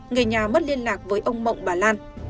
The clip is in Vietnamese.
người nhà mất liên lạc với ông mộng bà lan